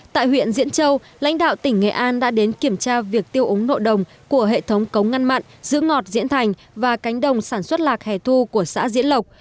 tại huyện diễn châu lãnh đạo tỉnh nghệ an đã đến kiểm tra việc tiêu ống nội đồng của hệ thống cống ngăn mặn giữ ngọt diễn thành và cánh đồng sản xuất lạc hẻ thu của xã diễn lộc